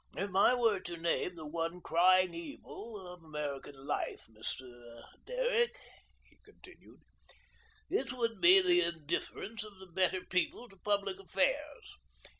"If I were to name the one crying evil of American life, Mr. Derrick," he continued, "it would be the indifference of the better people to public affairs.